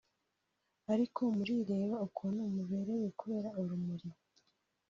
Ariko murireba ukuntu muberewe (kubera urumuri)